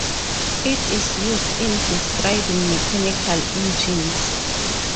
It is used in describing mechanical engines.